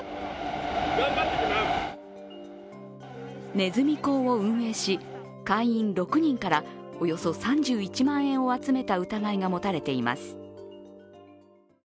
ねずみ講を運営し、会員６人からおよそ３１万円を集めた疑いが持たれています。